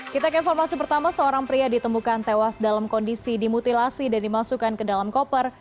kita ke informasi pertama seorang pria ditemukan tewas dalam kondisi dimutilasi dan dimasukkan ke dalam koper